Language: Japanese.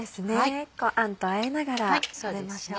あんとあえながら食べましょう。